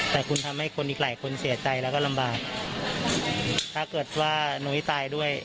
แต่คุณทำให้คนอีกหลายคนเสียใจแล้วก็ลำบากถ้าเกิดว่านุ้ยตายด้วย